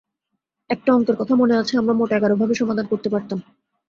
একটা অঙ্কের কথা মনে আছে, আমরা মোট এগারোভাবে সমাধান করতে পারতাম।